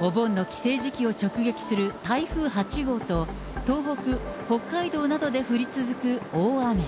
お盆の帰省時期を直撃する台風８号と、東北、北海道などで降り続く大雨。